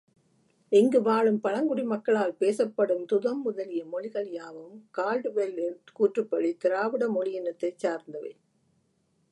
இங்குவாழும் பழங்குடி மக்களால் பேசப்படும் துதம் முதலிய மொழிகள் யாவும் கால்டு வெல்லின் கூற்றுப்படி, திராவிட மொழியினத்தைச் சார்ந்தவை.